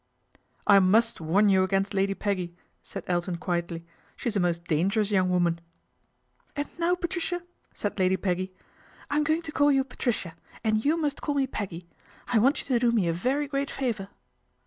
" I must warn you against Lady Peggy," said Elton quietly. " She's a most dangerous young woman." " And now, Patricia," said Lady Peggy, " I'm going to call you Patricia, and you must call me Peggy I want you to do me a very great favour."